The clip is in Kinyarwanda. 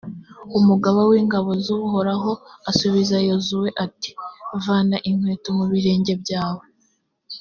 umugaba w’ingabo z’uhoraho asubiza yozuwe, ati «vana inkweto mu birenge byawe,